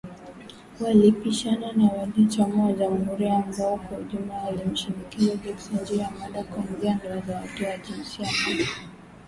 Walipishana na wanachama wa Jamuhuri ambao kwa ujumla walimshinikiza Jackson, juu ya mada kuanzia ndoa za watu wa jinsia moja